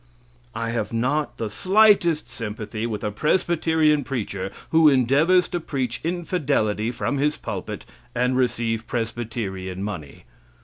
I have not the slightest sympathy with a Presbyterian preacher who endeavors to preach infidelity from his pulpit and receive Presbyterian money.